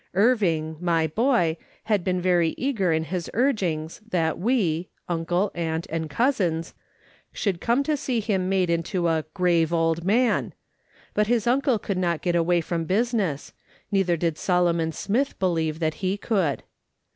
Irving, my boy, had b ;en verv eager in his urgings that we — uncle, aunt, and "SOME THINGS IS QUEER." 49 cousins — should come to see him made into a " grave old man," but his uncle could not get away from business, neither did Solomon Smith believe that he could.